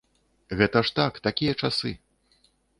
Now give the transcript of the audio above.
Гэта ж так, такія часы.